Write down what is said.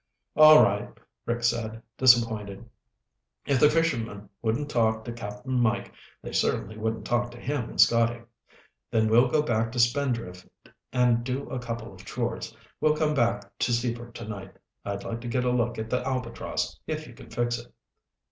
"All right," Rick said, disappointed. If the fishermen wouldn't talk to Cap'n Mike they certainly wouldn't talk to him and Scotty. "Then we'll go back to Spindrift and do a couple of chores. We'll come back to Seaford tonight. I'd like to get a look at the Albatross, if you can fix it."